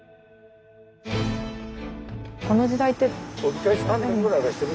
この時代って。